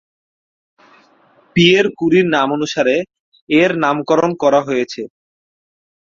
Pierre ক্যুরির নামানুসারে এর নামকরণ করা হয়েছে।